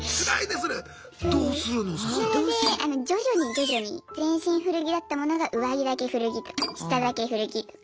それで徐々に徐々に全身古着だったものが上着だけ古着とか下だけ古着とか。